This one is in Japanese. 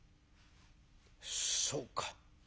「そうか。